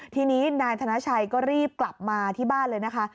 ทีนี้นายธนชัยก็รีบกลับมาที่บ้านเลยนะคะ